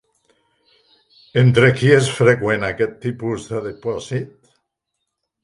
Entre qui és freqüent aquest tipus de dipòsit?